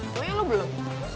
lo ya lo belum